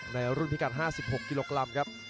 ในรุ่นพิกัดห้าสิบหกกิโลกรัมครับ